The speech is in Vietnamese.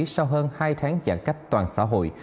sau hơn hai tháng giãn cách toàn xã hội